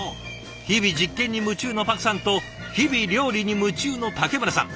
日々実験に夢中のパクさんと日々料理に夢中の竹村さん。